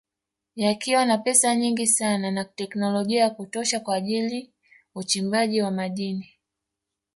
Yakiwa na pesa nyingi sana na teknolojia ya kutosha kwa ajili uchimbaji wa madini